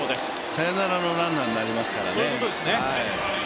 サヨナラのランナーになりますからね。